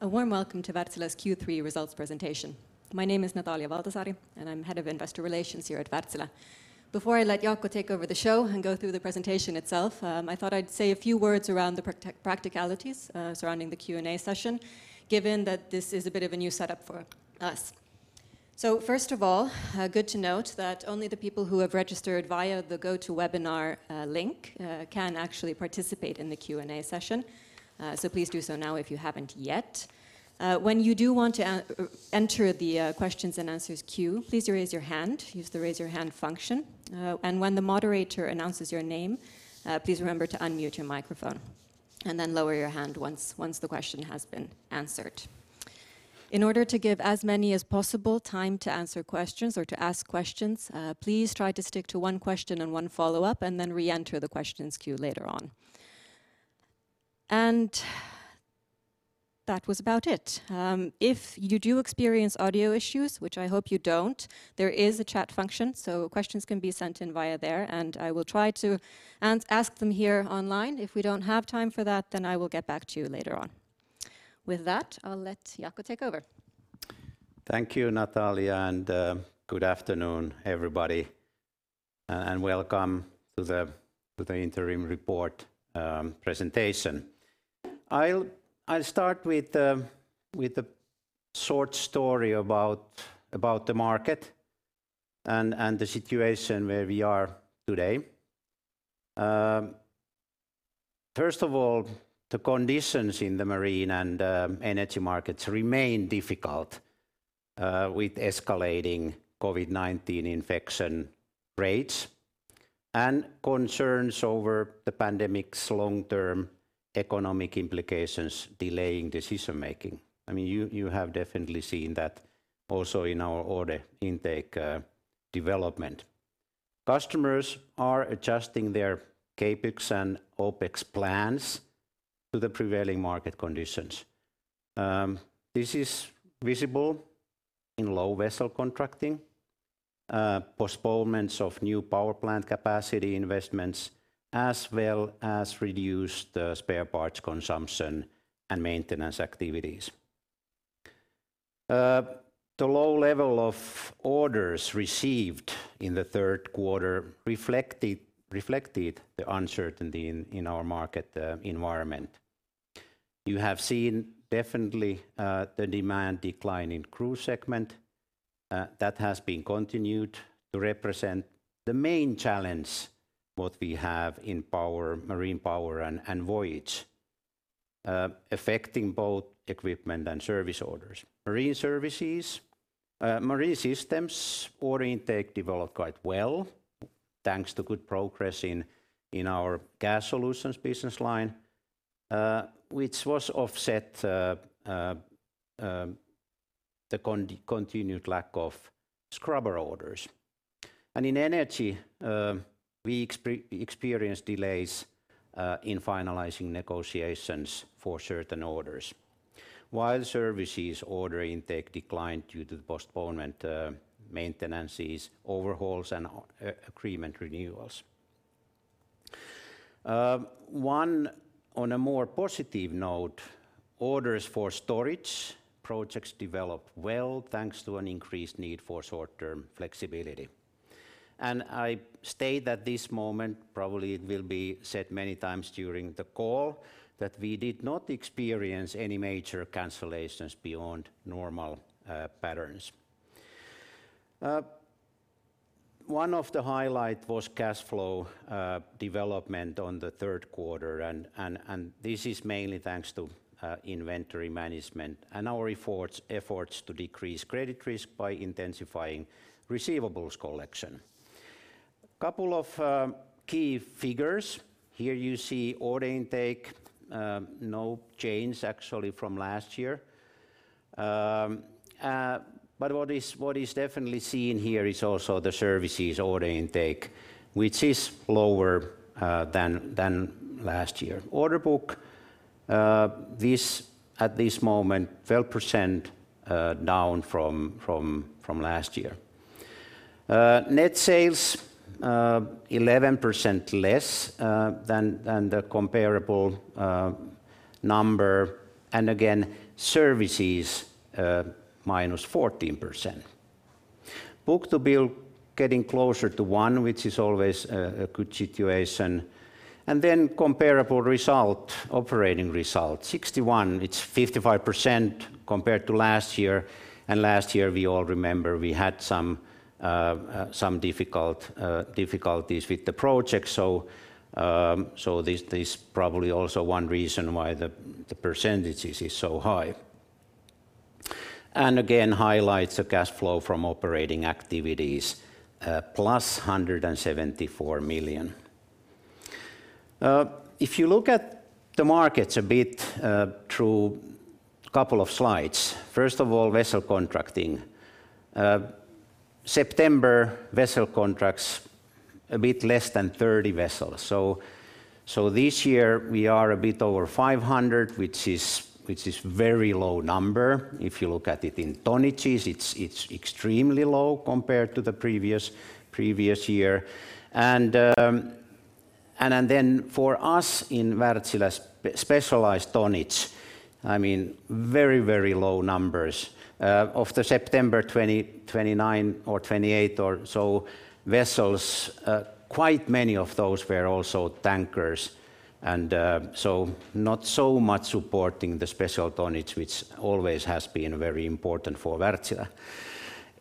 A warm welcome to Wärtsilä's Q3 results presentation. My name is Natalia Valtasaari. I'm Head of Investor Relations here at Wärtsilä. Before I let Jaakko take over the show and go through the presentation itself, I thought I'd say a few words around the practicalities surrounding the Q&A session, given that this is a bit of a new setup for us. First of all, good to note that only the people who have registered via the GoToWebinar link can actually participate in the Q&A session. Please do so now if you haven't yet. When you do want to enter the questions and answers queue, please raise your hand. Use the raise your hand function. When the moderator announces your name, please remember to unmute your microphone, then lower your hand once the question has been answered. In order to give as many as possible time to answer questions or to ask questions, please try to stick to one question and one follow-up, and then re-enter the questions queue later on. That was about it. If you do experience audio issues, which I hope you don't, there is a chat function, so questions can be sent in via there, and I will try to ask them here online. If we don't have time for that, then I will get back to you later on. With that, I'll let Jaakko take over. Thank you, Natalia, and good afternoon, everybody, and welcome to the interim report presentation. I'll start with a short story about the market and the situation where we are today. First of all, the conditions in the marine and energy markets remain difficult, with escalating COVID-19 infection rates and concerns over the pandemic's long-term economic implications delaying decision-making. You have definitely seen that also in our order intake development. Customers are adjusting their CapEx and OpEx plans to the prevailing market conditions. This is visible in low vessel contracting, postponements of new power plant capacity investments, as well as reduced spare parts consumption and maintenance activities. The low level of orders received in the third quarter reflected the uncertainty in our market environment. You have seen definitely the demand decline in cruise segment. That has been continued to represent the main challenge what we have in Marine Power and Voyage, affecting both equipment and service orders. Marine Systems order intake developed quite well, thanks to good progress in our gas solutions business line, which was offset the continued lack of scrubber orders. In Energy, we experienced delays in finalizing negotiations for certain orders, while services order intake declined due to the postponement, maintenances, overhauls, and agreement renewals. One on a more positive note, orders for storage projects developed well, thanks to an increased need for short-term flexibility. I state at this moment, probably it will be said many times during the call, that we did not experience any major cancellations beyond normal patterns. One of the highlight was cash flow development on the third quarter. This is mainly thanks to inventory management and our efforts to decrease credit risk by intensifying receivables collection. Couple of key figures. Here you see order intake, no change actually from last year. What is definitely seen here is also the services order intake, which is lower than last year. Order book, at this moment, 12% down from last year. Net sales, 11% less than the comparable number. Again, services, 14%. book-to-bill getting closer to one, which is always a good situation. Comparable result, operating result, 61 million, it's 55% compared to last year. Last year, we all remember we had some difficulties with the project. This probably also one reason why the percentage is so high. Again, highlights of cash flow from operating activities, +174 million. If you look at the markets a bit through couple of slides, first of all, vessel contracting. September vessel contracts, a bit less than 30 vessels. This year we are a bit over 500, which is very low number. If you look at it in tonnages, it's extremely low compared to the previous year. For us in Wärtsilä specialized tonnage, very low numbers. Of the September 29 or 28 or so vessels, quite many of those were also tankers. Not so much supporting the special tonnage, which always has been very important for Wärtsilä.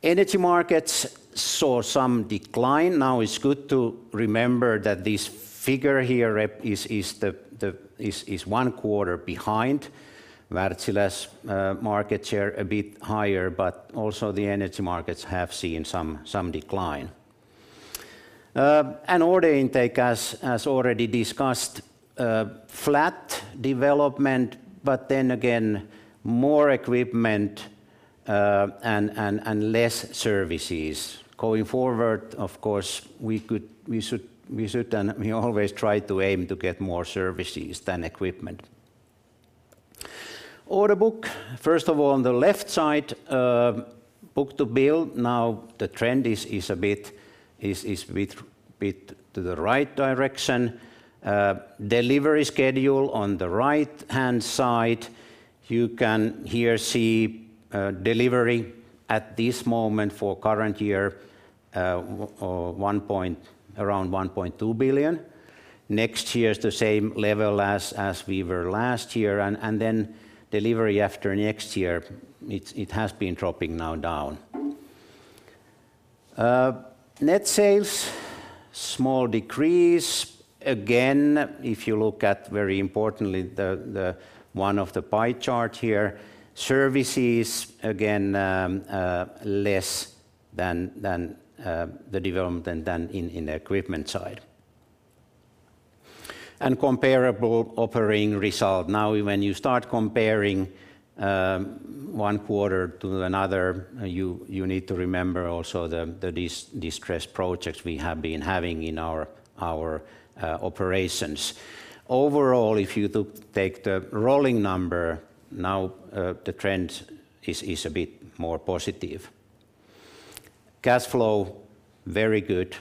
Energy markets saw some decline. It's good to remember that this figure here is one quarter behind Wärtsilä's market share, a bit higher, but also the energy markets have seen some decline. Order intake, as already discussed, flat development, but then again, more equipment, and less services. Going forward, of course, we always try to aim to get more services than equipment. Order book, first of all, on the left side, book-to-bill. The trend is a bit to the right direction. Delivery schedule on the right-hand side. You can here see delivery at this moment for current year, around 1.2 billion. Next year is the same level as we were last year. Delivery after next year, it has been dropping now down. Net sales, small decrease. If you look at, very importantly, one of the pie chart here, services, again, less than the development than in the equipment side. Comparable operating result. When you start comparing one quarter to another, you need to remember also the distressed projects we have been having in our operations. Overall, if you take the rolling number, now the trend is a bit more positive. Cash flow, very good,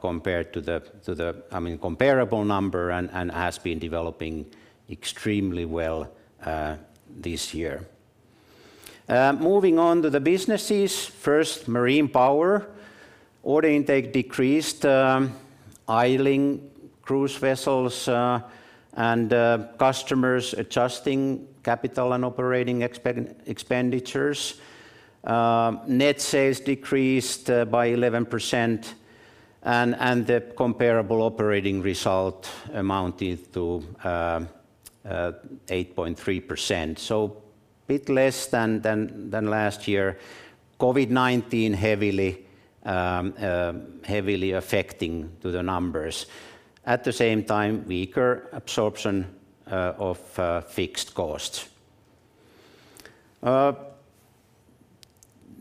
compared to the comparable number, and has been developing extremely well this year. Moving on to the businesses. First, Marine Power. Order intake decreased, idling cruise vessels, and customers adjusting capital and operating expenditures. Net sales decreased by 11%, and the comparable operating result amounted to 8.3%. A bit less than last year. COVID-19 heavily affecting to the numbers. At the same time, weaker absorption of fixed costs.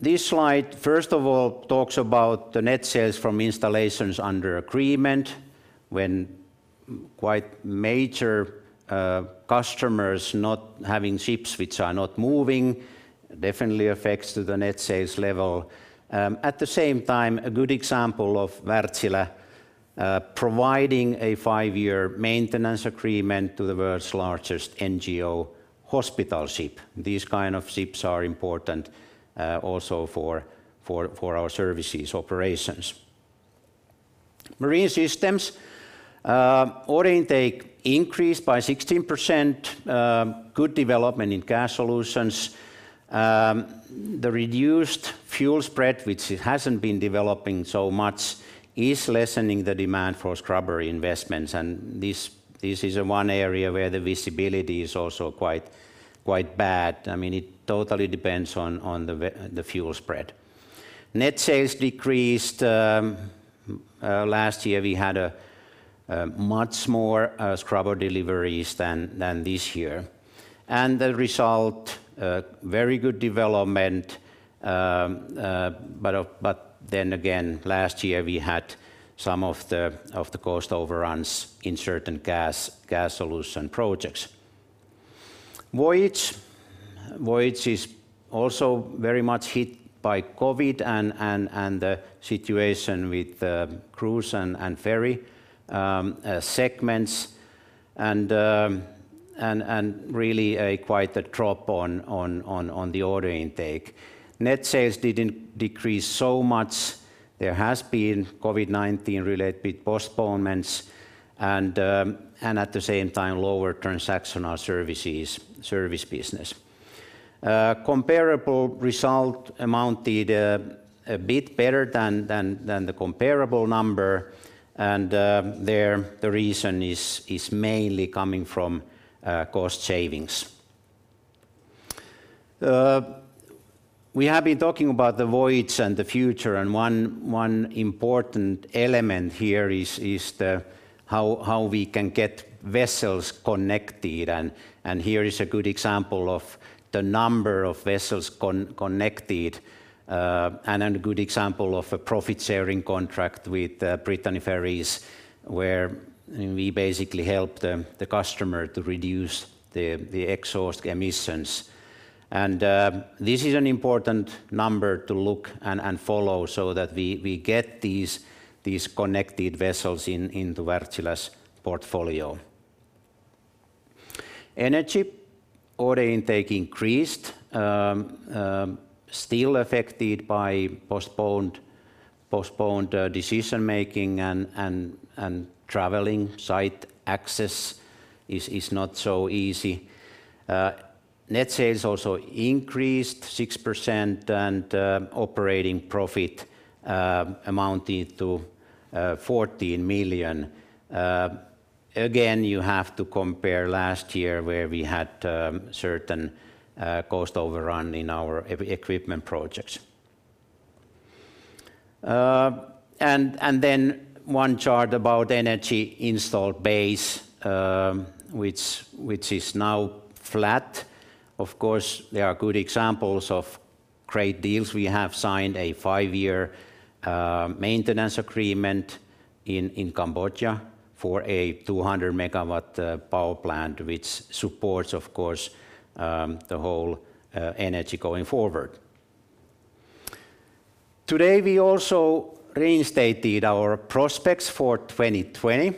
This slide, first of all, talks about the net sales from installations under agreement. When quite major customers not having ships which are not moving, definitely affects to the net sales level. At the same time, a good example of Wärtsilä providing a five-year maintenance agreement to the world's largest NGO hospital ship. These kind of ships are important also for our services operations. Marine Systems. Order intake increased by 16%. Good development in gas solutions. The reduced fuel spread, which it hasn't been developing so much, is lessening the demand for scrubber investments. This is one area where the visibility is also quite bad. It totally depends on the fuel spread. Net sales decreased. Last year, we had much more scrubber deliveries than this year. The result, very good development. Last year, we had some of the cost overruns in certain gas solution projects. Voyage. Voyage is also very much hit by COVID and the situation with cruise and ferry segments, and really quite a drop on the order intake. Net sales didn't decrease so much. There has been COVID-19-related postponements, and at the same time, lower transactional service business. Comparable result amounted a bit better than the comparable number. There, the reason is mainly coming from cost savings. We have been talking about the Voyage and the future. One important element here is how we can get vessels connected. Here is a good example of the number of vessels connected, a good example of a profit-sharing contract with Brittany Ferries, where we basically help the customer to reduce the exhaust emissions. This is an important number to look and follow so that we get these connected vessels into Wärtsilä's portfolio. Energy order intake increased, still affected by postponed decision-making and traveling. Site access is not so easy. Net sales also increased 6%. Operating profit amounted to 14 million. Again, you have to compare last year, where we had certain cost overrun in our equipment projects. Then one chart about energy installed base, which is now flat. Of course, there are good examples of great deals. We have signed a five-year maintenance agreement in Cambodia for a 200 MW power plant, which supports, of course, the whole energy going forward. Today, we also reinstated our prospects for 2020.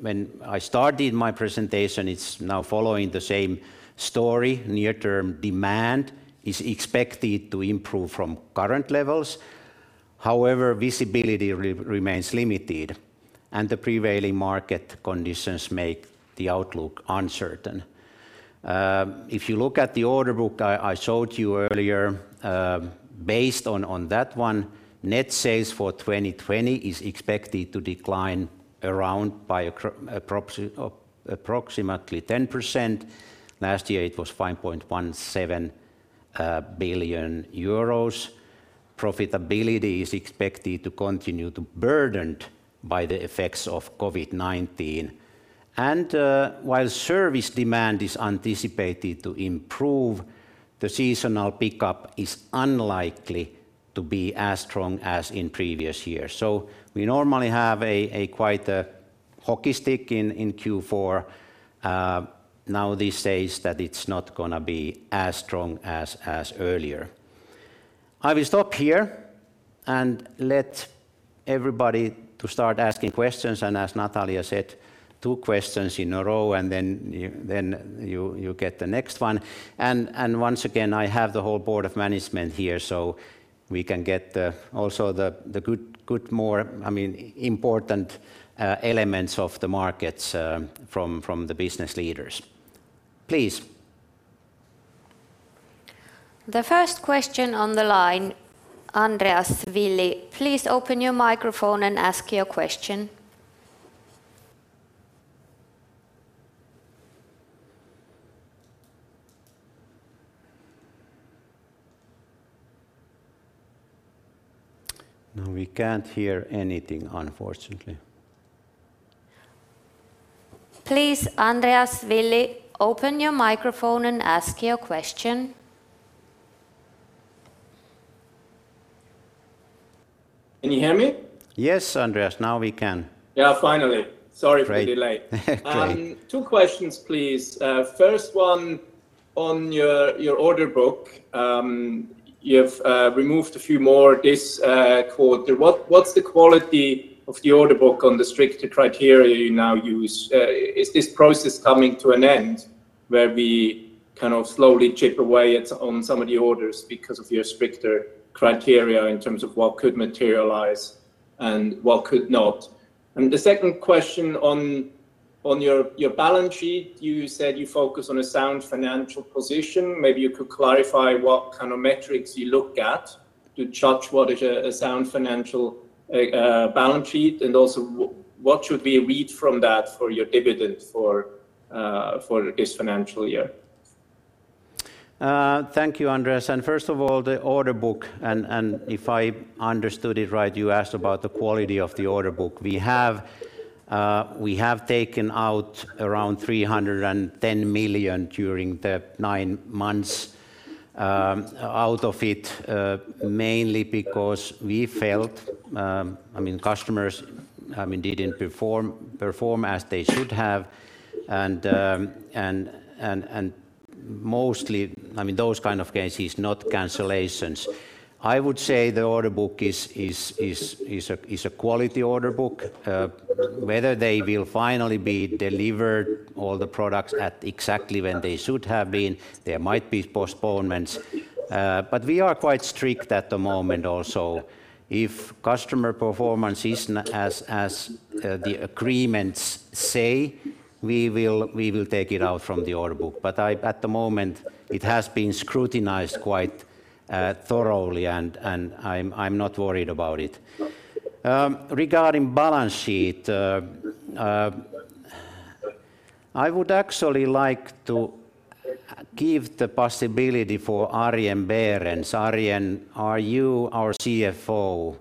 When I started my presentation, it's now following the same story. Near-term demand is expected to improve from current levels. Visibility remains limited, and the prevailing market conditions make the outlook uncertain. If you look at the order book I showed you earlier, based on that one, net sales for 2020 is expected to decline around by approximately 10%. Last year, it was 5.17 billion euros. Profitability is expected to continue to burdened by the effects of COVID-19. While service demand is anticipated to improve, the seasonal pickup is unlikely to be as strong as in previous years. We normally have a quite a hockey stick in Q4. This says that it's not going to be as strong as earlier. I will stop here and let everybody to start asking questions. As Natalia said, two questions in a row, and then you get the next one. Once again, I have the whole board of management here, so we can get also the good, more important elements of the markets from the business leaders. Please. The first question on the line, Andreas Willi. Please open your microphone and ask your question. Now we can't hear anything, unfortunately. Please, Andreas Willi, open your microphone and ask your question. Can you hear me? Yes, Andreas. Now we can. Yeah, finally. Sorry for the delay. Great. Great. Two questions, please. First one on your order book. You have removed a few more this quarter. What's the quality of the order book on the stricter criteria you now use? Is this process coming to an end, where we kind of slowly chip away on some of the orders because of your stricter criteria in terms of what could materialize and what could not? The second question on your balance sheet, you said you focus on a sound financial position. Maybe you could clarify what kind of metrics you look at to judge what is a sound financial balance sheet, and also what should we read from that for your dividend for this financial year? Thank you, Andreas. First of all, the order book, and if I understood it right, you asked about the quality of the order book. We have taken out around 310 million during the nine months out of it, mainly because we felt customers didn't perform as they should have, and mostly, those kind of cases, not cancellations. I would say the order book is a quality order book. Whether they will finally be delivered, all the products at exactly when they should have been, there might be postponements. We are quite strict at the moment also. If customer performance isn't as the agreements say, we will take it out from the order book. At the moment, it has been scrutinized quite thoroughly, and I'm not worried about it. Regarding balance sheet, I would actually like to give the possibility for Arjen Berends. Arjen, are you, our CFO,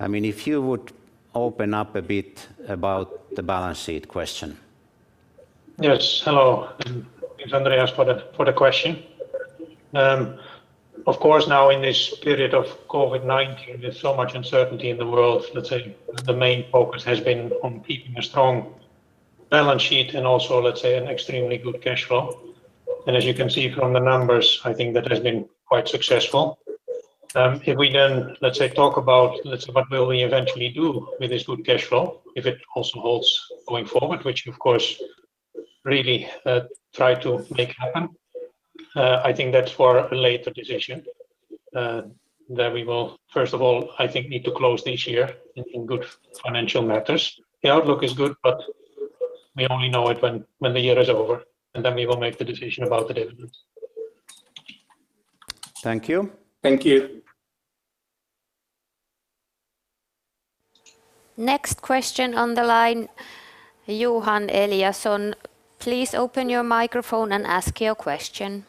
if you would open up a bit about the balance sheet question. Yes, hello. Thanks, Andreas, for the question. Of course, now in this period of COVID-19, there's so much uncertainty in the world. Let's say the main focus has been on keeping a strong balance sheet and also, let's say, an extremely good cash flow. As you can see from the numbers, I think that has been quite successful. If we, let's say, talk about what will we eventually do with this good cash flow, if it also holds going forward, which of course, really try to make happen. I think that's for a later decision. We will, first of all, I think, need to close this year in good financial matters. The outlook is good. We only know it when the year is over. We will make the decision about the dividends. Thank you. Thank you. Next question on the line, Johan Eliason. Please open your microphone and ask your question.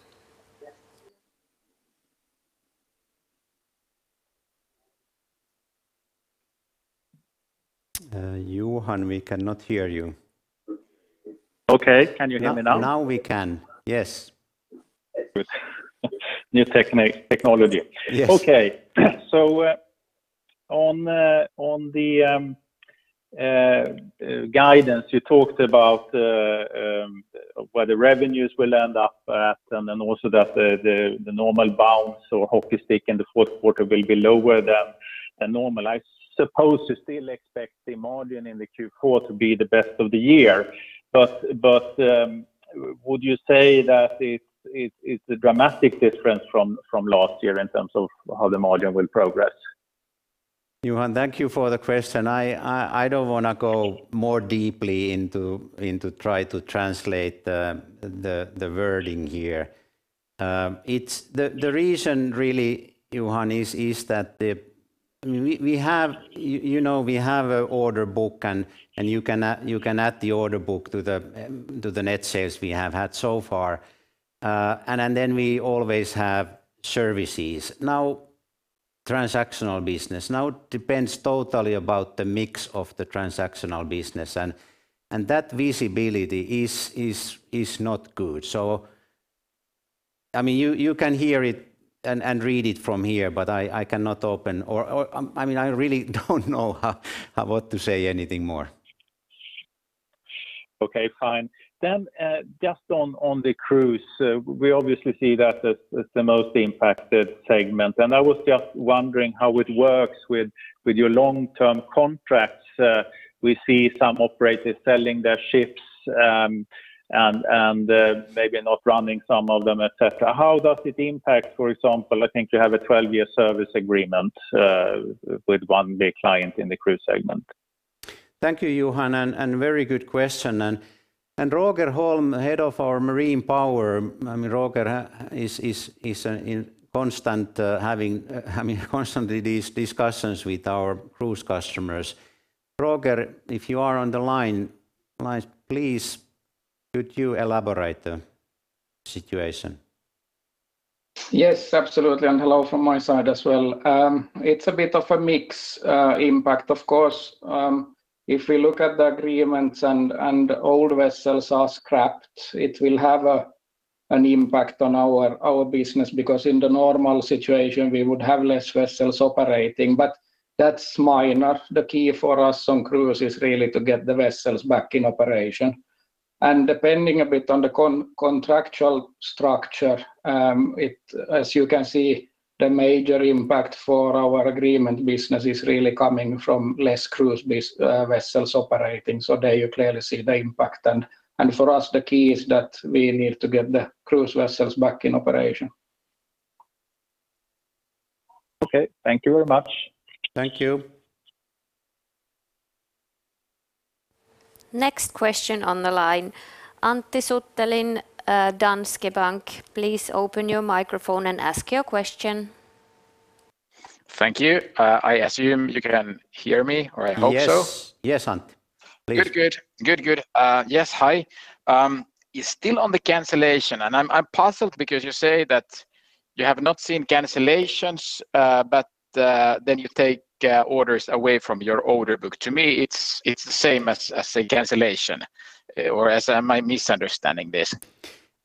Johan, we cannot hear you. Okay. Can you hear me now? Now we can. Yes. Good. New technology. Yes. On the guidance, you talked about where the revenues will end up at, and then also that the normal bounce or hockey stick in the fourth quarter will be lower than normal. I suppose you still expect the margin in the Q4 to be the best of the year. Would you say that it's a dramatic difference from last year in terms of how the margin will progress? Johan, thank you for the question. I don't want to go more deeply into try to translate the wording here. The reason really, Johan, is that we have an order book and you can add the order book to the net sales we have had so far. We always have services. Now, transactional business now depends totally about the mix of the transactional business, and that visibility is not good. You can hear it and read it from here. I cannot open. I really don't know what to say anything more. Okay, fine. Just on the cruise, we obviously see that as the most impacted segment. I was just wondering how it works with your long-term contracts. We see some operators selling their ships, and maybe not running some of them, et cetera. How does it impact, for example, I think you have a 12-year service agreement with one big client in the cruise segment. Thank you, Johan, very good question. Roger Holm, Head of our Marine Power, Roger is constantly these discussions with our cruise customers. Roger, if you are on the line, please could you elaborate the situation? Yes, absolutely. Hello from my side as well. It's a bit of a mixed impact. Of course, if we look at the agreements and old vessels are scrapped, it will have an impact on our business because in the normal situation, we would have less vessels operating, but that's minor. The key for us on cruise is really to get the vessels back in operation. Depending a bit on the contractual structure, as you can see, the major impact for our agreement business is really coming from less cruise vessels operating. There you clearly see the impact, and for us, the key is that we need to get the cruise vessels back in operation. Okay. Thank you very much. Thank you. Next question on the line, Antti Suttelin, Danske Bank. Please open your microphone and ask your question. Thank you. I assume you can hear me, or I hope so. Yes. Yes, Antti. Please. Good. Yes, hi. Still on the cancellation. I'm puzzled because you say that you have not seen cancellations. You take orders away from your order book. To me, it is the same as a cancellation. Am I misunderstanding this?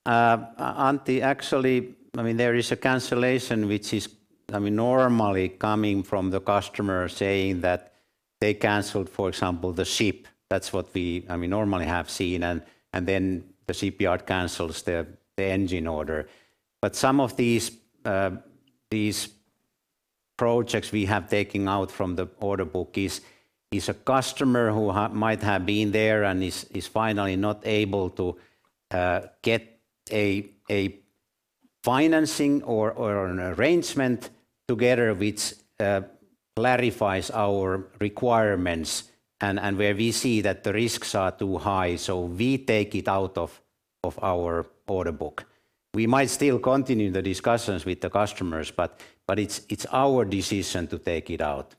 Antti, actually, there is a cancellation which is normally coming from the customer saying that they canceled, for example, the ship. That's what we normally have seen, and then the shipyard cancels the engine order. Some of these projects we have taken out from the order book is a customer who might have been there and is finally not able to get a financing or an arrangement together which clarifies our requirements and where we see that the risks are too high, so we take it out of our order book. We might still continue the discussions with the customers, but it's our decision to take it out.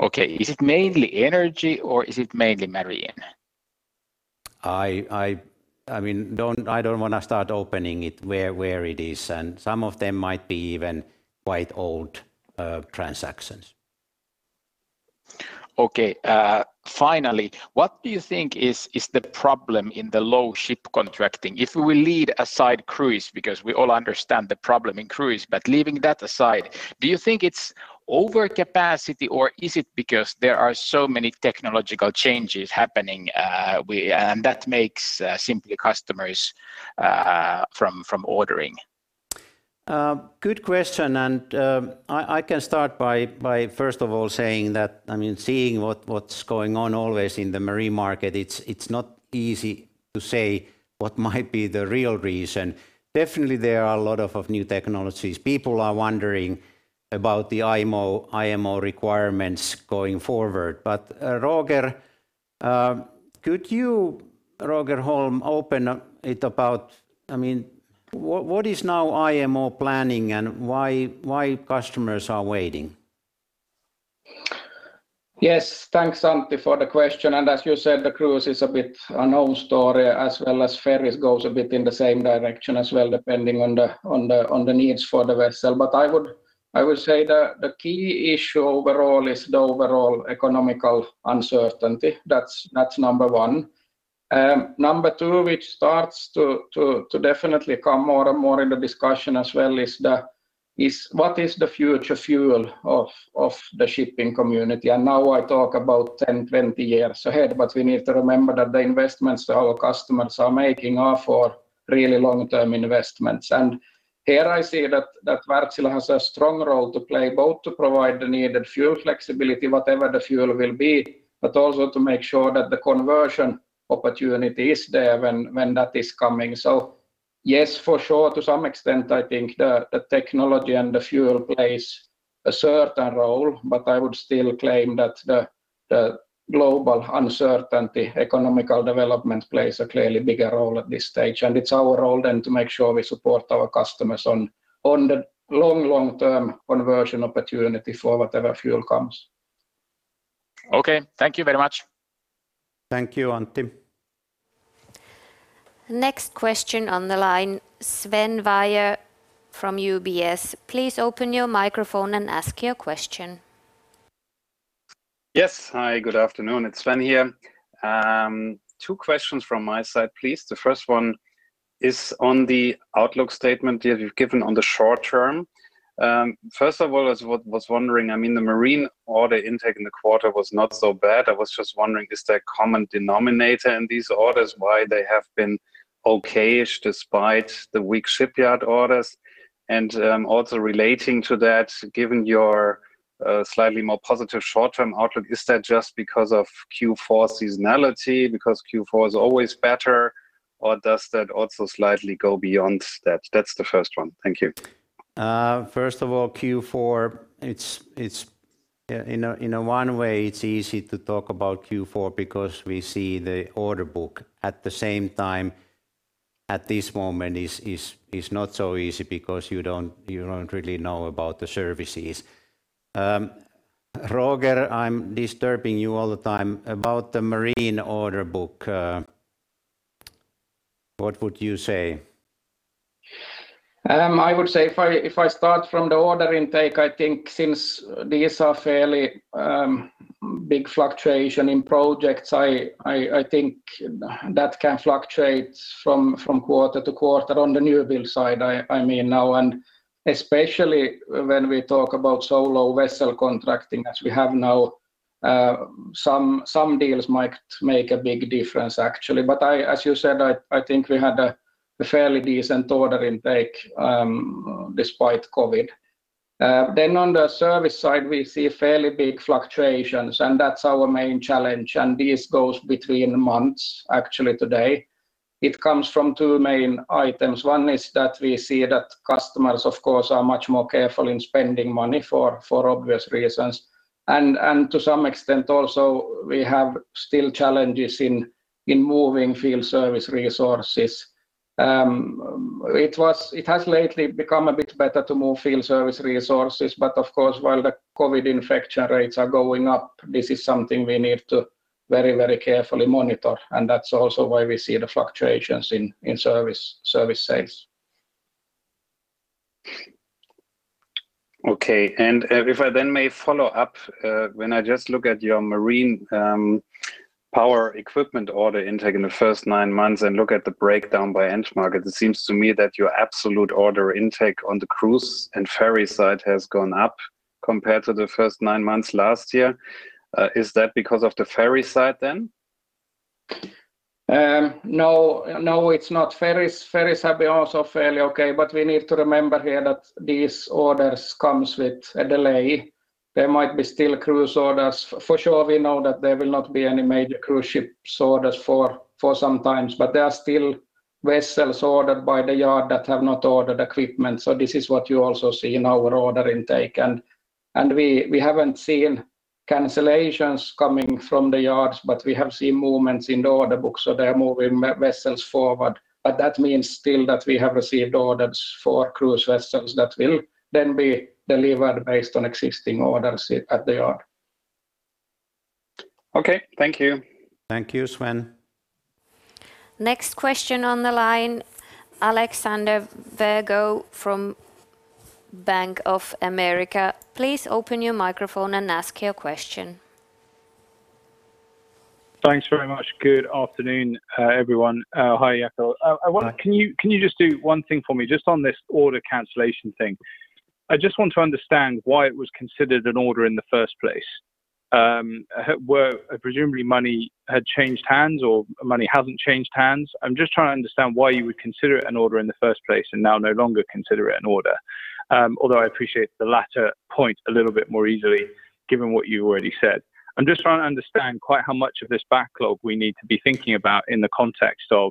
Okay. Is it mainly Energy or is it mainly Marine? I don't want to start opening it where it is, and some of them might be even quite old transactions. Okay. What do you think is the problem in the low ship contracting? If we leave aside cruise, because we all understand the problem in cruise, but leaving that aside, do you think it's over capacity or is it because there are so many technological changes happening, and that makes simply customers from ordering? Good question. I can start by first of all saying that, seeing what's going on always in the marine market, it's not easy to say what might be the real reason. Definitely, there are a lot of new technologies. People are wondering about the IMO requirements going forward. Roger, could you, Roger Holm, open it about what is now IMO planning and why customers are waiting? Yes. Thanks, Antti, for the question. As you said, the cruise is a bit a known story as well as ferries goes a bit in the same direction as well, depending on the needs for the vessel. I would say the key issue overall is the overall economical uncertainty. That's number one. Number two, which starts to definitely come more and more in the discussion as well is what is the future fuel of the shipping community? Now I talk about 10-20 years ahead, we need to remember that the investments that our customers are making are for really long-term investments. Here I see that Wärtsilä has a strong role to play, both to provide the needed fuel flexibility, whatever the fuel will be, also to make sure that the conversion opportunity is there when that is coming. Yes, for sure, to some extent, I think the technology and the fuel plays a certain role, but I would still claim that the global uncertainty economic development plays a clearly bigger role at this stage. It's our role then to make sure we support our customers on the long-term conversion opportunity for whatever fuel comes. Okay. Thank you very much. Thank you, Antti. Next question on the line, Sven Weier from UBS. Please open your microphone and ask your question. Yes. Hi, good afternoon. It's Sven here. Two questions from my side, please. The first one is on the outlook statement that you've given on the short term. First of all, I was wondering, the marine order intake in the quarter was not so bad. I was just wondering, is there a common denominator in these orders, why they have been okay-ish despite the weak shipyard orders? Also relating to that, given your slightly more positive short-term outlook, is that just because of Q4 seasonality, because Q4 is always better, or does that also slightly go beyond that? That's the first one. Thank you. First of all, Q4, in one way, it's easy to talk about Q4 because we see the order book. At the same time, at this moment, it's not so easy because you don't really know about the services. Roger, I'm disturbing you all the time. About the marine order book, what would you say? I would say if I start from the order intake, I think since these are fairly big fluctuation in projects, I think that can fluctuate from quarter to quarter on the new build side, I mean now. Especially when we talk about solo vessel contracting as we have now, some deals might make a big difference, actually. As you said, I think we had a fairly decent order intake, despite COVID-19. On the service side, we see fairly big fluctuations, and that's our main challenge. This goes between months, actually today. It comes from two main items. One is that we see that customers, of course, are much more careful in spending money for obvious reasons. To some extent also, we have still challenges in moving field service resources. It has lately become a bit better to move field service resources. Of course, while the COVID infection rates are going up, this is something we need to very carefully monitor. That's also why we see the fluctuations in service sales. Okay. If I then may follow up, when I just look at your Marine Power equipment order intake in the first nine months and look at the breakdown by end market, it seems to me that your absolute order intake on the cruise and ferry side has gone up compared to the first nine months last year. Is that because of the ferry side then? No, it's not ferries. Ferries have been also fairly okay. We need to remember here that these orders comes with a delay. There might be still cruise orders. For sure, we know that there will not be any major cruise ships orders for some time. There are still vessels ordered by the yard that have not ordered equipment. This is what you also see in our order intake. We haven't seen cancellations coming from the yards, but we have seen movements in the order book, so they are moving vessels forward. That means still that we have received orders for cruise vessels that will then be delivered based on existing orders at the yard. Okay. Thank you. Thank you, Sven. Next question on the line, Alexander Virgo from Bank of America. Please open your microphone and ask your question. Thanks very much. Good afternoon, everyone. Hi, Jaakko. Hi. Can you just do one thing for me? Just on this order cancellation thing, I just want to understand why it was considered an order in the first place, where presumably money had changed hands or money hasn't changed hands. I'm just trying to understand why you would consider it an order in the first place and now no longer consider it an order. Although I appreciate the latter point a little bit more easily given what you already said. I'm just trying to understand quite how much of this backlog we need to be thinking about in the context of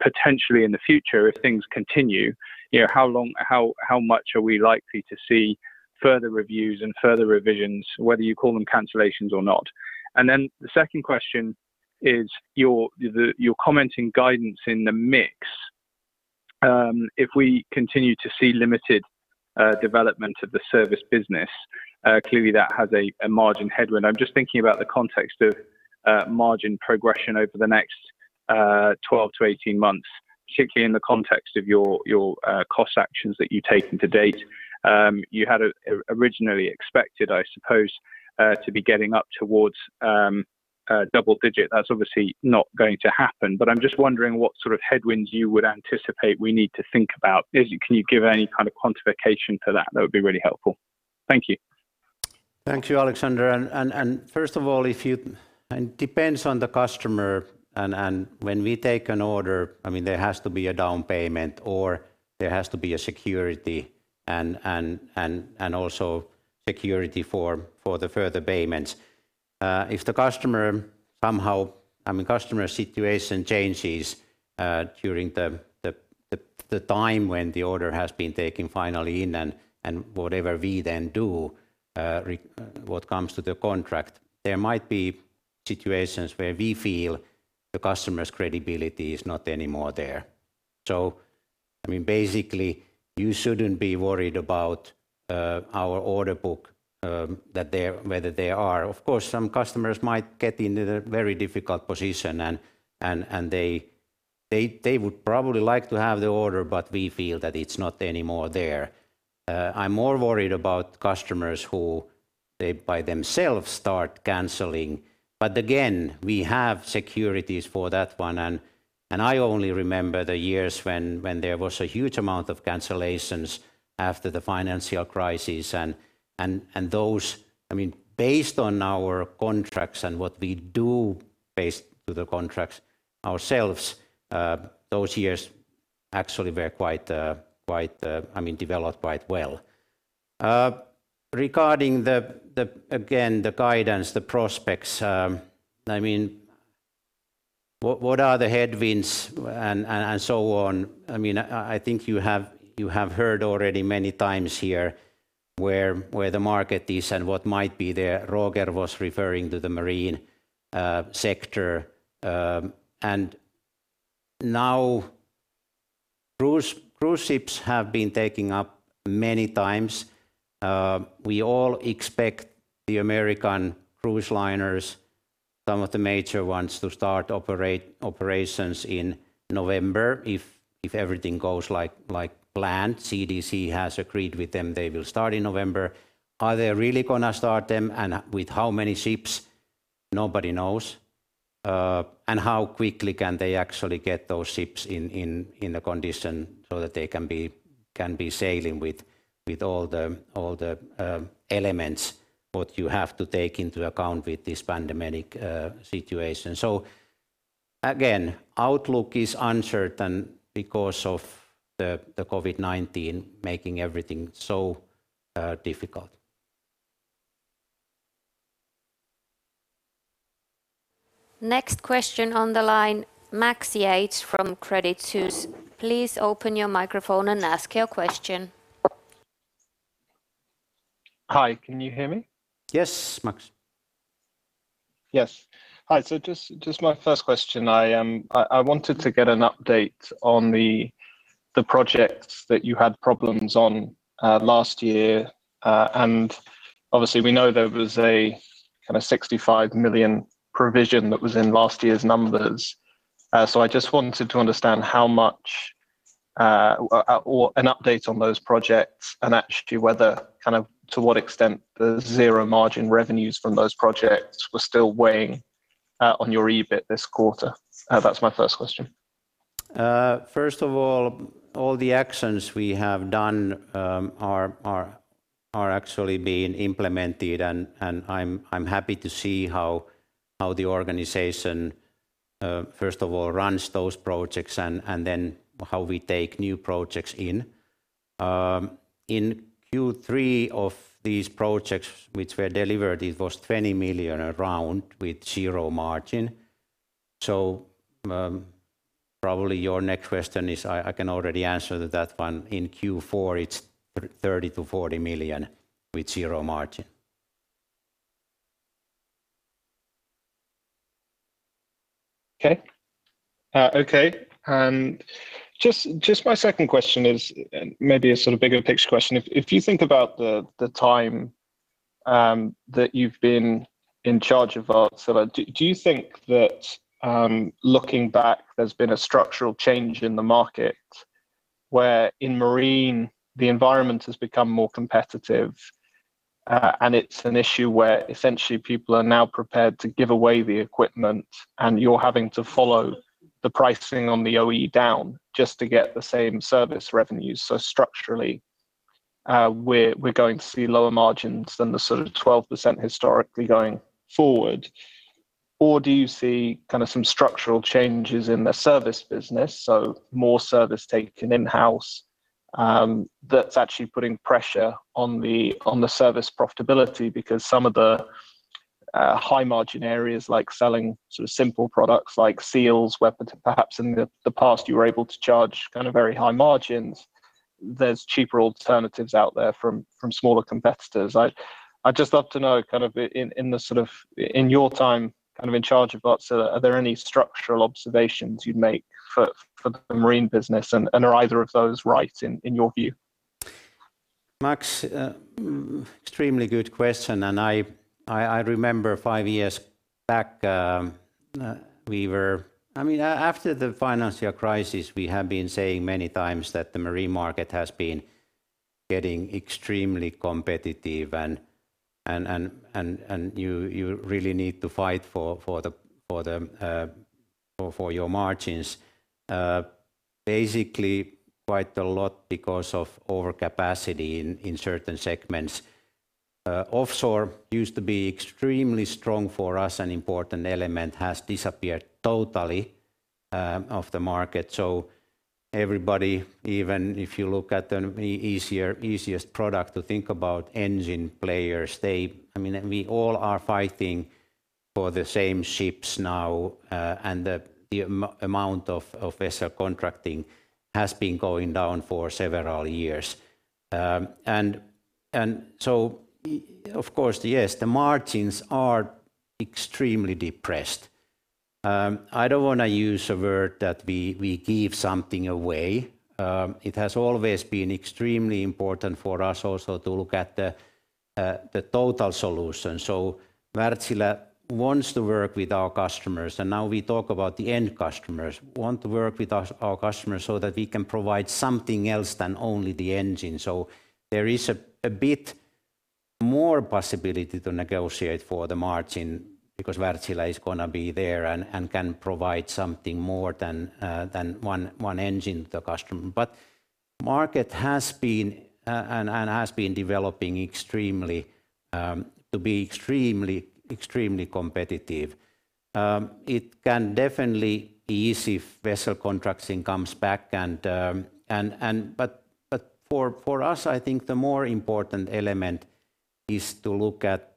potentially in the future if things continue. How much are we likely to see further reviews and further revisions, whether you call them cancellations or not? The second question is your comment in guidance in the mix. If we continue to see limited development of the service business, clearly that has a margin headwind. I'm just thinking about the context of margin progression over the next 12-18 months, particularly in the context of your cost actions that you've taken to date. You had originally expected, I suppose, to be getting up towards double-digit. That's obviously not going to happen. I'm just wondering what sort of headwinds you would anticipate we need to think about. Can you give any kind of quantification to that? That would be really helpful. Thank you. Thank you, Alexander. First of all, it depends on the customer. When we take an order, there has to be a down payment or there has to be a security, also security for the further payments. If the customer situation changes during the time when the order has been taken finally in and whatever we then do what comes to the contract, there might be situations where we feel the customer's credibility is not anymore there. Basically, you shouldn't be worried about our order book whether they are. Of course, some customers might get into the very difficult position. They would probably like to have the order, but we feel that it's not anymore there. I'm more worried about customers who they, by themselves, start canceling. Again, we have securities for that one. I only remember the years when there was a huge amount of cancellations after the financial crisis. Based on our contracts and what we do based to the contracts ourselves, those years actually developed quite well. Regarding, again, the guidance, the prospects. What are the headwinds and so on? I think you have heard already many times here where the market is and what might be there. Roger was referring to the marine sector. Now cruise ships have been taking up many times. We all expect the American cruise liners, some of the major ones, to start operations in November if everything goes like planned. CDC has agreed with them they will start in November. Are they really going to start them and with how many ships? Nobody knows. How quickly can they actually get those ships in the condition so that they can be sailing with all the elements that you have to take into account with this pandemic situation? Again, outlook is uncertain because of the COVID-19 making everything so difficult. Next question on the line, Max Yates from Credit Suisse. Please open your microphone and ask your question. Hi, can you hear me? Yes, Max. Yes. Hi. Just my first question. I wanted to get an update on the projects that you had problems on last year. Obviously we know there was a kind of 65 million provision that was in last year's numbers. I just wanted to understand how much, or an update on those projects and actually to what extent the zero margin revenues from those projects were still weighing on your EBIT this quarter. That's my first question. First of all the actions we have done are actually being implemented, and I'm happy to see how the organization, first of all, runs those projects and then how we take new projects in. In Q3 of these projects which were delivered, it was 20 million around with zero margin. Probably your next question is, I can already answer that one. In Q4 it's 30 million-40 million with zero margin. Okay. Just my second question is maybe a sort of bigger picture question. If you think about the time that you've been in charge of Wärtsilä, do you think that looking back there's been a structural change in the market where in marine the environment has become more competitive? It's an issue where essentially people are now prepared to give away the equipment, and you're having to follow the pricing on the OE down just to get the same service revenues. Structurally, we're going to see lower margins than the sort of 12% historically going forward. Do you see some structural changes in the service business, so more service taken in-house, that's actually putting pressure on the service profitability because some of the high-margin areas like selling simple products like seals, where perhaps in the past you were able to charge very high margins, there's cheaper alternatives out there from smaller competitors. I'd just love to know, in your time in charge of Wärtsilä, are there any structural observations you'd make for the marine business? Are either of those right in your view? Max, extremely good question. I remember five years back, after the financial crisis, we have been saying many times that the marine market has been getting extremely competitive and you really need to fight for your margins. Basically, quite a lot because of over capacity in certain segments. Offshore used to be extremely strong for us, an important element has disappeared totally off the market. Everybody, even if you look at the easiest product to think about, engine players, we all are fighting for the same ships now, and the amount of vessel contracting has been going down for several years. Of course, yes, the margins are extremely depressed. I don't want to use a word that we give something away. It has always been extremely important for us also to look at the total solution. Wärtsilä wants to work with our customers, and now we talk about the end customers. We want to work with our customers so that we can provide something else than only the engine. There is a bit more possibility to negotiate for the margin because Wärtsilä is going to be there and can provide something more than one engine to the customer. Market has been developing to be extremely competitive. It can definitely be easy if vessel contracting comes back, but for us, I think the more important element is to look at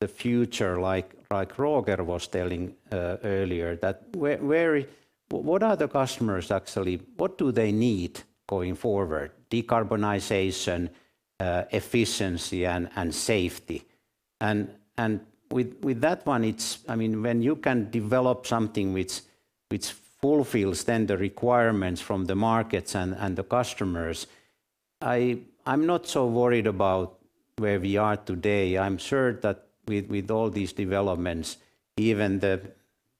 the future, like Roger was telling earlier, that what do they need going forward? Decarbonization, efficiency, and safety. With that one, when you can develop something which fulfills then the requirements from the markets and the customers, I'm not so worried about where we are today. I'm sure that with all these developments, even the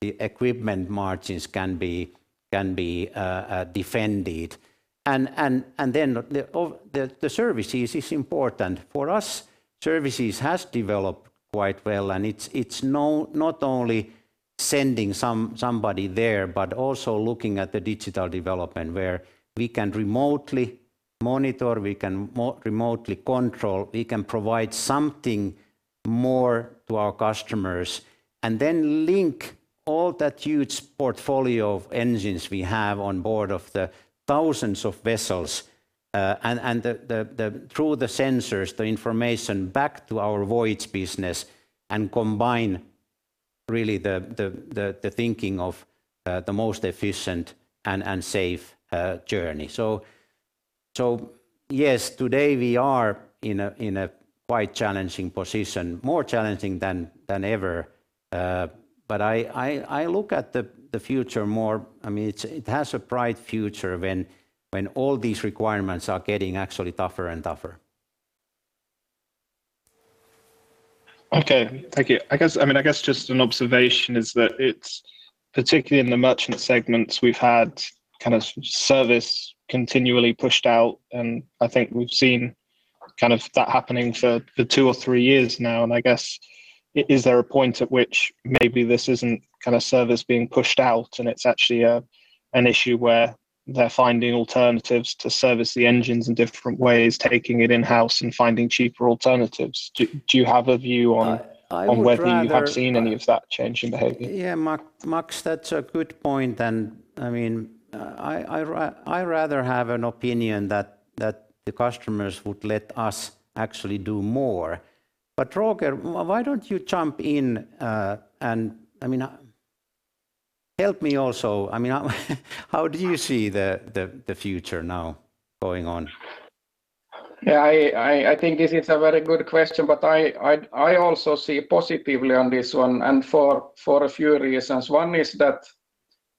equipment margins can be defended. The services is important. For us, services has developed quite well, and it's not only sending somebody there, but also looking at the digital development where we can remotely monitor, we can remotely control, we can provide something more to our customers, link all that huge portfolio of engines we have on board of the thousands of vessels, and through the sensors, the information back to our Voyage business and combine really the thinking of the most efficient and safe journey. Today we are in a quite challenging position, more challenging than ever. I look at the future more, it has a bright future when all these requirements are getting actually tougher and tougher. Okay. Thank you. I guess just an observation is that it's particularly in the merchant segments, we've had service continually pushed out, and I think we've seen that happening for two or three years now, and I guess, is there a point at which maybe this isn't service being pushed out and it's actually an issue where they're finding alternatives to service the engines in different ways, taking it in-house and finding cheaper alternatives? Do you have a view on- I would rather-... on whether you have seen any of that change in behavior? Yeah, Max, that's a good point. I'd rather have an opinion that the customers would let us actually do more. Roger, why don't you jump in and help me also? How do you see the future now going on? I think this is a very good question, but I also see positively on this one and for a few reasons. One is that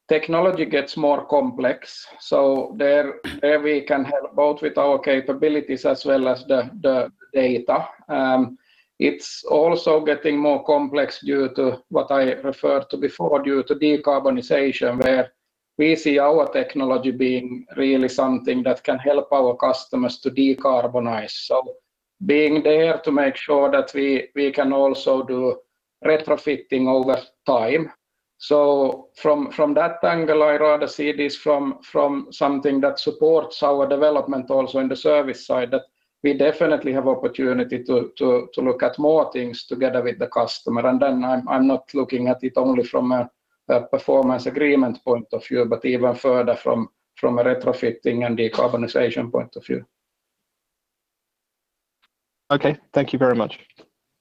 technology gets more complex, so there we can help out with our capabilities as well as the data. It's also getting more complex due to what I referred to before, due to decarbonization, where we see our technology being really something that can help our customers to decarbonize. Being there to make sure that we can also do retrofitting over time. From that angle, I rather see this from something that supports our development also in the service side, that we definitely have opportunity to look at more things together with the customer. I'm not looking at it only from a performance agreement point of view, but even further from a retrofitting and decarbonization point of view. Okay. Thank you very much.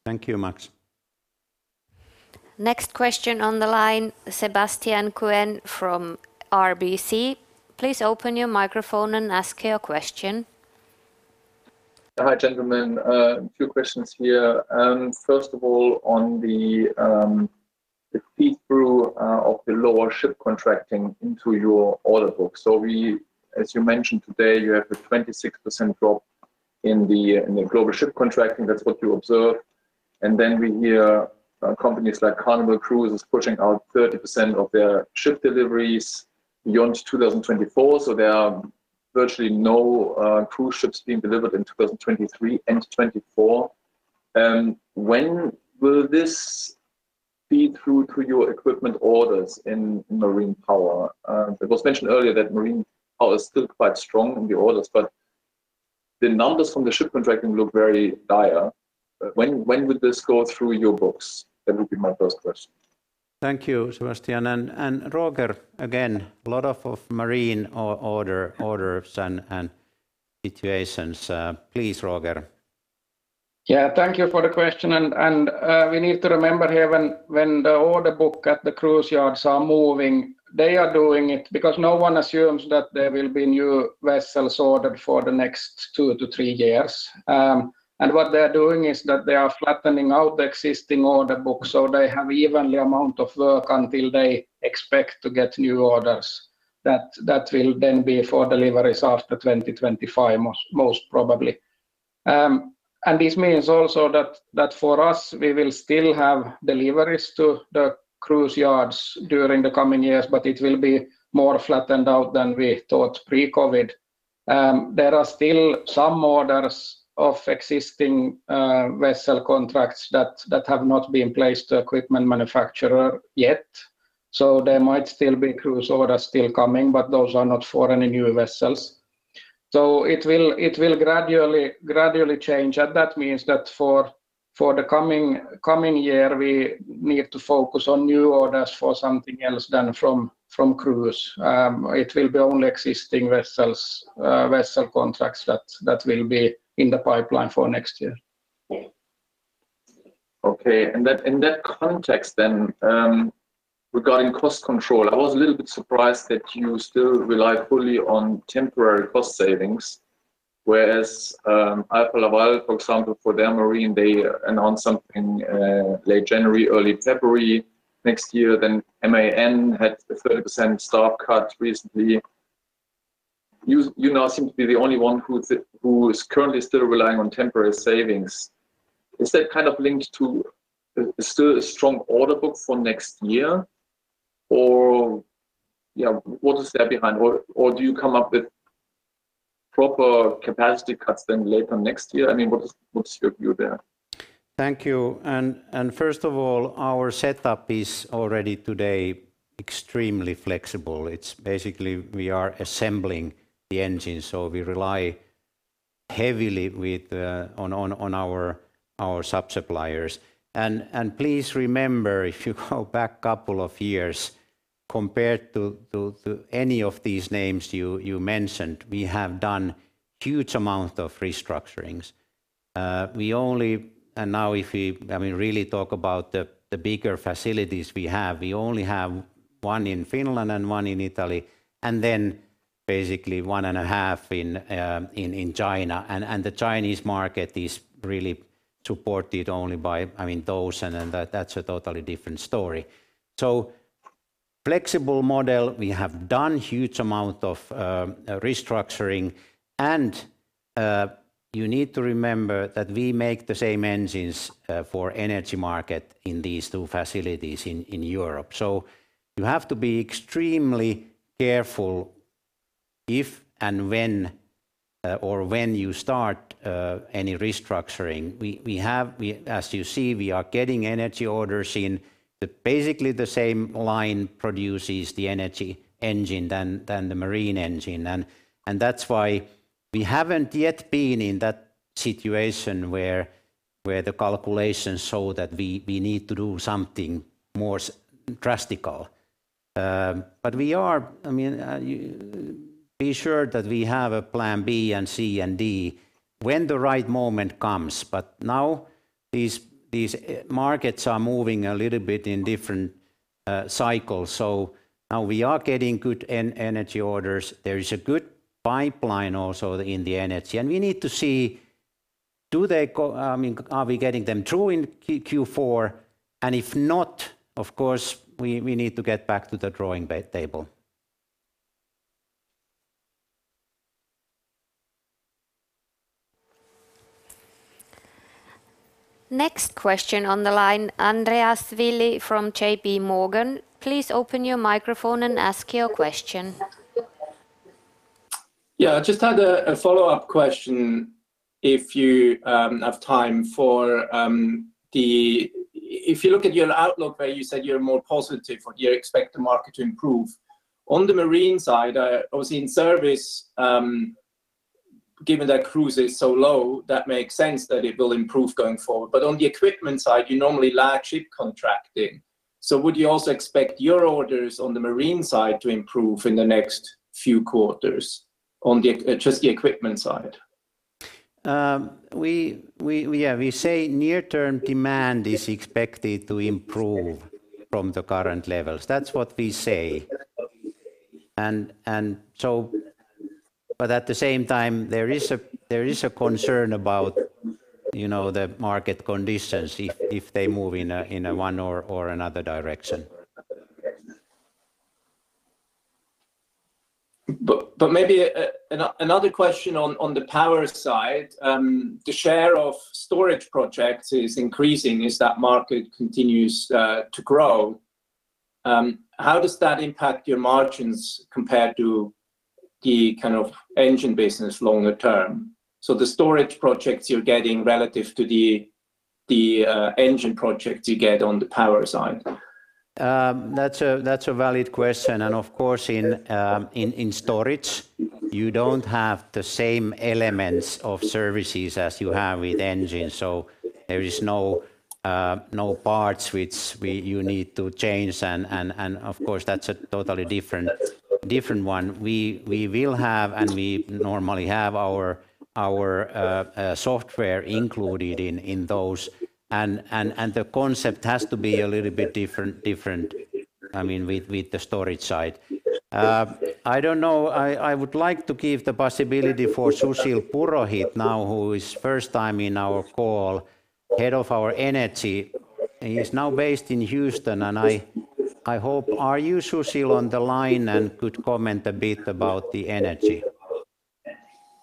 Thank you, Max. Next question on the line, Sebastian Kuenne from RBC. Please open your microphone and ask your question. Hi, gentlemen. A few questions here. First of all, on the feedthrough of the lower ship contracting into your order book. As you mentioned today, you have a 26% drop in the global ship contracting. That's what you observed. We hear companies like Carnival Cruise is pushing out 30% of their ship deliveries beyond 2024, so there are virtually no cruise ships being delivered in 2023 and 2024. When will this feed through to your equipment orders in Marine Power? It was mentioned earlier that Marine Power is still quite strong in the orders, but the numbers from the ship contracting look very dire. When will this go through your books? That would be my first question. Thank you, Sebastian. Roger, again, a lot of marine orders and situations. Please, Roger. Yeah, thank you for the question. We need to remember here when the order book at the cruise yards are moving, they are doing it because no one assumes that there will be new vessels ordered for the next two to three years. What they're doing is that they are flattening out the existing order book so they have evenly amount of work until they expect to get new orders. That will then be for deliveries after 2025, most probably. This means also that for us, we will still have deliveries to the cruise yards during the coming years, but it will be more flattened out than we thought pre-COVID. There are still some orders of existing vessel contracts that have not been placed to equipment manufacturer yet. There might still be cruise orders still coming, but those are not for any new vessels. It will gradually change. That means that for the coming year, we need to focus on new orders for something else than from cruise. It will be only existing vessel contracts that will be in the pipeline for next year. Okay. In that context then, regarding cost control, I was a little bit surprised that you still rely fully on temporary cost savings, whereas Alfa Laval, for example, for their marine, they announce something late January, early February next year. MAN had a 30% staff cut recently. You now seem to be the only one who is currently still relying on temporary savings. Is that linked to still a strong order book for next year? What is there behind? Do you come up with proper capacity cuts then later next year? What's your view there? Thank you. First of all, our setup is already today extremely flexible. It's basically we are assembling the engine, so we rely heavily on our sub-suppliers. Please remember, if you go back couple of years, compared to any of these names you mentioned, we have done huge amount of restructurings. Now if we really talk about the bigger facilities we have, we only have one in Finland and one in Italy, and then basically 1.5 in China. The Chinese market is really supported only by those, and that's a totally different story. Flexible model. We have done huge amount of restructuring, and you need to remember that we make the same engines for energy market in these two facilities in Europe. You have to be extremely careful if and when or when you start any restructuring. As you see, we are getting energy orders in. Basically, the same line produces the energy engine than the marine engine. That's why we haven't yet been in that situation where the calculations show that we need to do something more drastic. Be sure that we have a plan B and C and D when the right moment comes. Now these markets are moving a little bit in different cycles. Now we are getting good energy orders. There is a good pipeline also in the energy. We need to see are we getting them through in Q4, and if not, of course, we need to get back to the drawing table. Next question on the line, Andreas Willi from JPMorgan. Please open your microphone and ask your question. I just had a follow-up question if you have time. If you look at your outlook where you said you are more positive or you expect the market to improve, on the marine side, obviously in service, given that cruise is so low, that makes sense that it will improve going forward. On the equipment side, you normally lag ship contracting. Would you also expect your orders on the marine side to improve in the next few quarters on just the equipment side? Yeah. We say near-term demand is expected to improve from the current levels. That's what we say. At the same time, there is a concern about the market conditions if they move in one or another direction. Maybe another question on the power side. The share of storage projects is increasing as that market continues to grow. How does that impact your margins compared to the kind of engine business longer term? The storage projects you're getting relative to the engine projects you get on the power side. That's a valid question. Of course, in storage, you don't have the same elements of services as you have with engine. There is no parts which you need to change. Of course, that's a totally different one. We will have, and we normally have our software included in those. The concept has to be a little bit different, I mean, with the storage side. I don't know. I would like to give the possibility for Sushil Purohit now, who is first time in our call, head of our Energy. He is now based in Houston. Are you, Sushil, on the line and could comment a bit about the energy?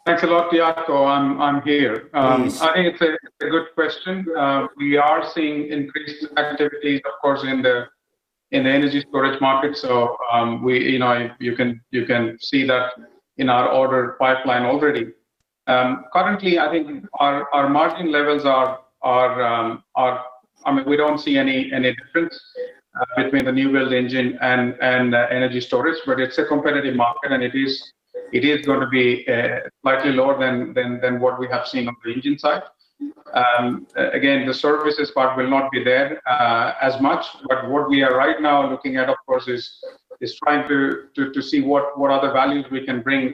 Thanks a lot, Jaakko. I'm here. Please. I think it's a good question. We are seeing increased activities, of course, in the energy storage market, so you can see that in our order pipeline already. Currently, I think our margin levels, I mean, we don't see any difference between the new build engine and energy storage, but it's a competitive market, and it is going to be slightly lower than what we have seen on the engine side. Again, the services part will not be there as much, but what we are right now looking at, of course, is trying to see what other values we can bring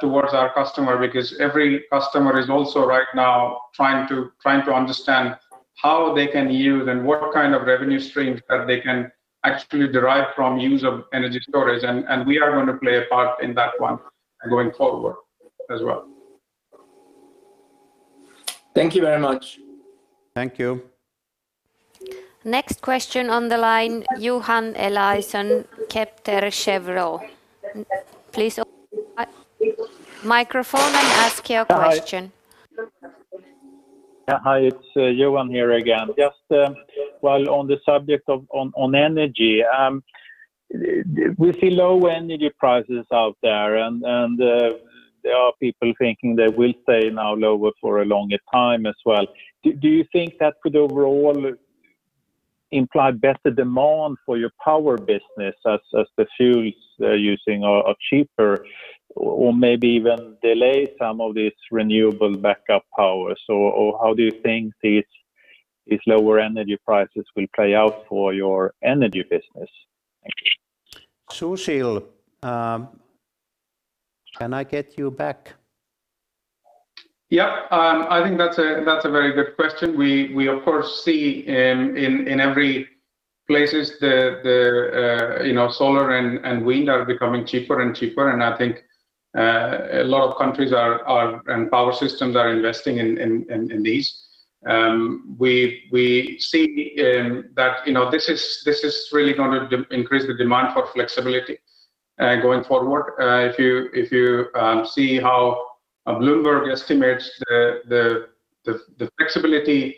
towards our customer because every customer is also right now trying to understand how they can use and what kind of revenue streams that they can actually derive from use of energy storage, and we are going to play a part in that one going forward as well. Thank you very much. Thank you. Next question on the line, Johan Eliason, Kepler Cheuvreux. Please open microphone and ask your question. Hi. Hi, it's Johan here again. Just while on the subject of energy. We see low energy prices out there, and there are people thinking they will stay now lower for a longer time as well. Do you think that could overall imply better demand for your power business as the fuels they're using are cheaper, or maybe even delay some of these renewable backup powers? How do you think these lower energy prices will play out for your Energy business? Thank you. Sushil, can I get you back? I think that's a very good question. We of course see in every places the solar and wind are becoming cheaper and cheaper. I think a lot of countries and power systems are investing in these. We see that this is really going to increase the demand for flexibility going forward. If you see how Bloomberg estimates the flexibility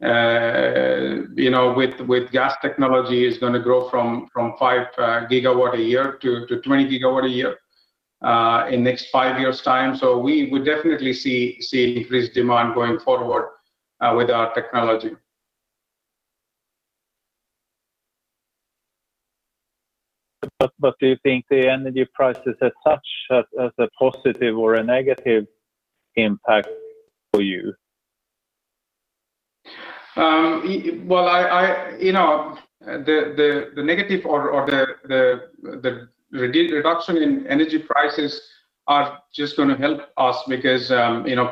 with gas technology is going to grow from 5 GW a year to 20 GW a year in next five years' time. We would definitely see increased demand going forward with our technology. Do you think the energy prices as such has a positive or a negative impact for you? The negative or the reduction in energy prices are just going to help us because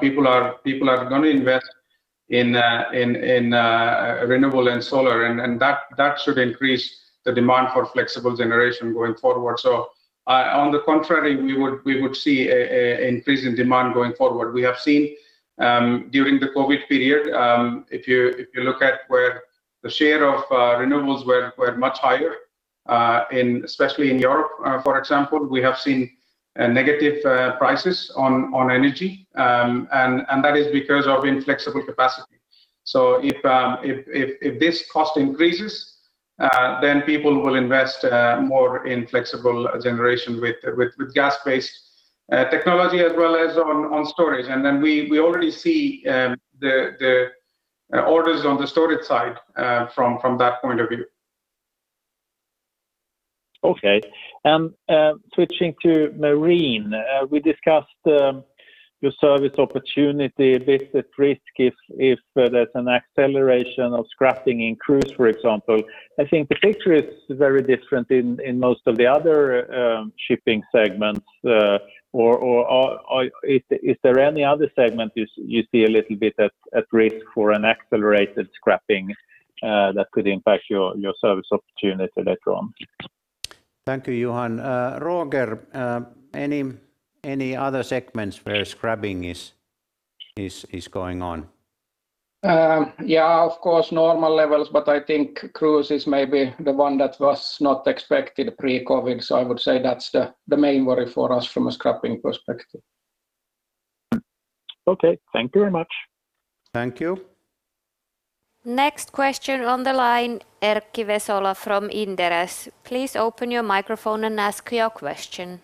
people are going to invest in renewable and solar, and that should increase the demand for flexible generation going forward. On the contrary, we would see increase in demand going forward. We have seen during the COVID period, if you look at where the share of renewables were much higher, especially in Europe, for example, we have seen negative prices on energy, and that is because of inflexible capacity. If this cost increases, people will invest more in flexible generation with gas-based technology as well as on storage. We already see the orders on the storage side from that point of view. Okay. Switching to marine, we discussed your service opportunity, a bit at risk if there's an acceleration of scrapping in cruise, for example. I think the picture is very different in most of the other shipping segments. Is there any other segment you see a little bit at risk for an accelerated scrapping that could impact your service opportunity later on? Thank you, Johan. Roger, any other segments where scrapping is going on? Yeah. Of course, normal levels, but I think cruise is maybe the one that was not expected pre-COVID. I would say that's the main worry for us from a scrapping perspective. Okay. Thank you very much. Thank you. Next question on the line, Erkki Vesola from Inderes. Please open your microphone and ask your question.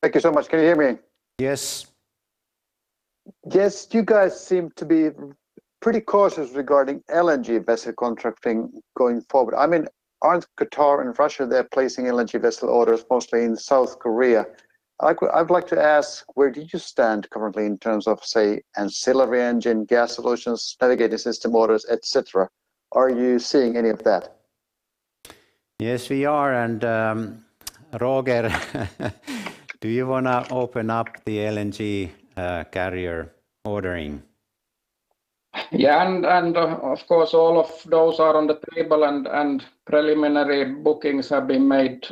Thank you so much. Can you hear me? Yes. Yes, you guys seem to be pretty cautious regarding LNG vessel contracting going forward. Aren't Qatar and Russia, they're placing LNG vessel orders mostly in South Korea. I'd like to ask, where do you stand currently in terms of, say, auxiliary engine, gas solutions, navigating system orders, et cetera? Are you seeing any of that? Yes, we are. Roger, do you want to open up the LNG carrier ordering? Yeah, of course, all of those are on the table, and preliminary bookings have been made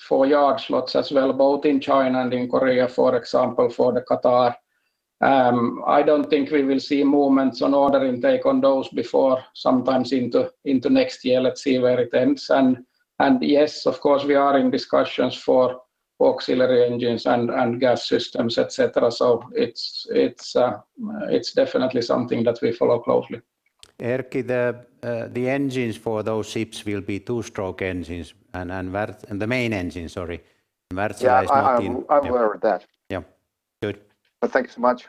for yard slots as well, both in China and in Korea, for example, for the Qatar. I don't think we will see movements on ordering take on those before sometimes into next year. Let's see where it ends. Yes, of course, we are in discussions for auxiliary engines and gas systems, et cetera, so it's definitely something that we follow closely. Erkki, the engines for those ships will be two-stroke engines and the main engine, sorry. Wärtsilä is not in- Yeah, I'm aware of that. Yeah. Good. Well, thank you so much.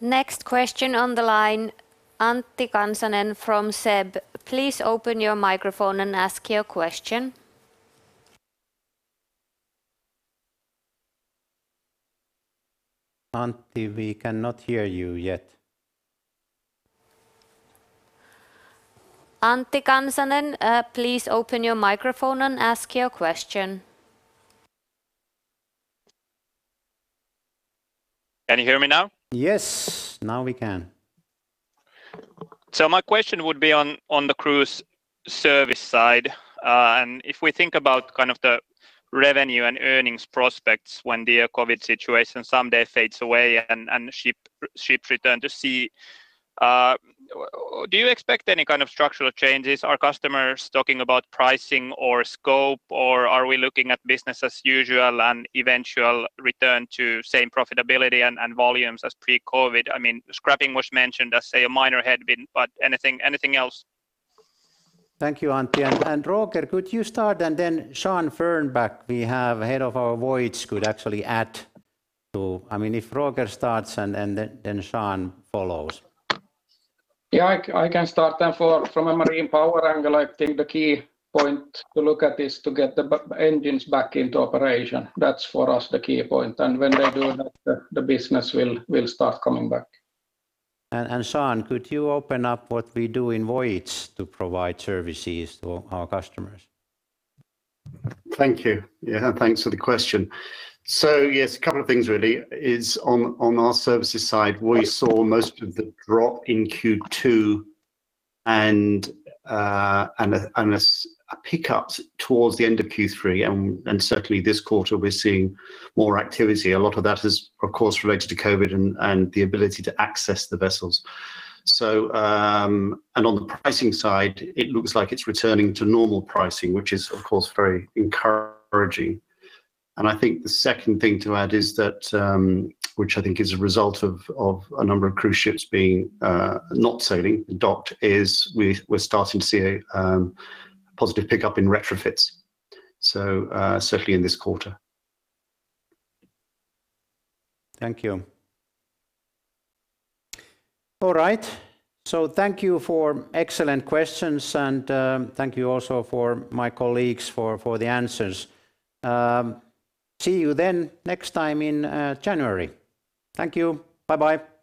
Next question on the line, Antti Kansanen from SEB. Please open your microphone and ask your question. Antti, we cannot hear you yet. Antti Kansanen, please open your microphone and ask your question. Can you hear me now? Yes. Now we can. My question would be on the cruise service side. If we think about kind of the revenue and earnings prospects when the COVID situation someday fades away and ships return to sea, do you expect any kind of structural changes? Are customers talking about pricing or scope, or are we looking at business as usual and eventual return to same profitability and volumes as pre-COVID? Scrapping was mentioned as, say, a minor headwind. Anything else? Thank you, Antti, and Roger, could you start, and then Sean Fernback, we have head of our Voyage could actually add to. If Roger starts and then Sean follows. Yeah, I can start then. From a Marine Power angle, I think the key point to look at is to get the engines back into operation. That's for us the key point, and when they do that, the business will start coming back. Sean, could you open up what we do in Voyage to provide services to our customers? Thank you. Thanks for the question. Yes, a couple of things really is on our services side, we saw most of the drop in Q2 and a pick-up towards the end of Q3, and certainly this quarter we're seeing more activity. A lot of that is, of course, related to COVID and the ability to access the vessels. On the pricing side, it looks like it's returning to normal pricing, which is of course very encouraging. I think the second thing to add is that, which I think is a result of a number of cruise ships being not sailing, docked, is we're starting to see a positive pick-up in retrofits. Certainly in this quarter. Thank you. All right. Thank you for excellent questions, and thank you also for my colleagues for the answers. See you then next time in January. Thank you. Bye-bye.